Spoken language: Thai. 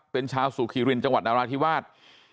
เป็นชาวสุคีรินจังหวัดนราธิวาส